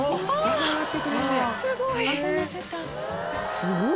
すごい。